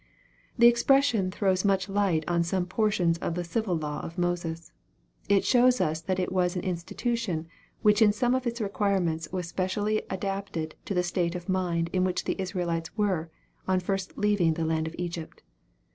The expression throws much light on some portions of the civil law of Moses. It shows us that it was an institution which in some of its requirements was specially adapted to the state of mind in which the Israelites were, on first leaving the land of Egypt.